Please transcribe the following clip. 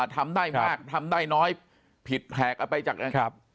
ทำได้มากทำได้น้อยผิดแพกไปจากนั้น